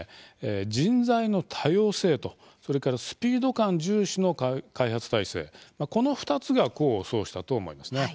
人材の多様性とそれからスピード感重視の開発体制、この２つが功を奏したと思いますね。